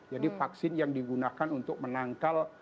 jadi vaksin yang digunakan untuk menangkal virus